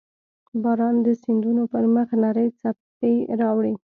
• باران د سیندونو پر مخ نرۍ څپې راوړي.